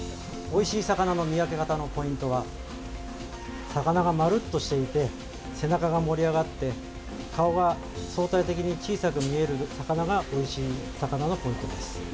おいしい魚の見分け方のポイントは魚がまるっとしていて背中が盛り上がって顔が相対的に小さく見える魚がおいしい魚のポイントです。